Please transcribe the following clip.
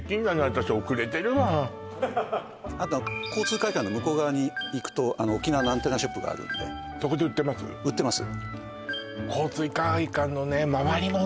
私遅れてるわあとは交通会館の向こう側に行くと沖縄のアンテナショップがあるんでそこで売ってます？